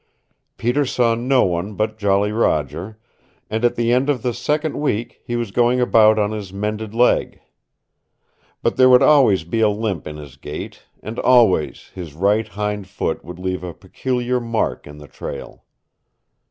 Peter saw no one but Jolly Roger, and at the end of the second week he was going about on his mended leg. But there would always be a limp in his gait, and always his right hind foot would leave a peculiar mark in the trail.